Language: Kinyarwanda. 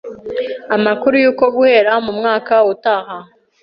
amakuru y’uko guhera mu mwaka uutaha